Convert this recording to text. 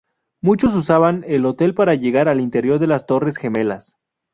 Muchos usaban el hotel para llegar al interior de las Torres Gemelas.